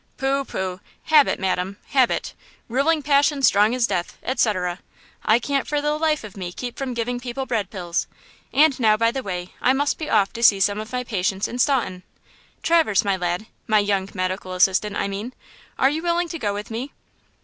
"Pooh, pooh! habit, madam–habit! 'ruling passion strong as death,' etc. I can't for the life of me keep from giving people bread pills. And now, by the way, I must be off to see some of my patients in Staunton. Traverse, my lad–my young medical assistant, I mean–are you willing to go with me?"